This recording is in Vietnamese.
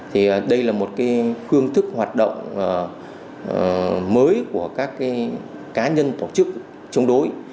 thì đây là một phương thức hoạt động mới của các cá nhân tổ chức chống đối